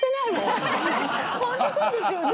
ホントそうですよね。